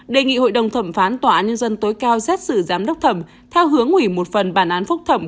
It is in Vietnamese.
đề nghị hội đồng thẩm phán tòa án nhân dân tối cao xét xử giám đốc thẩm theo hướng ủy một phần bản án phúc thẩm